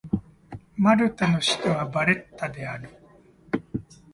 マルタの首都はバレッタである